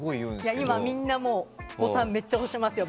今、みんなボタンめっちゃ押してますよ。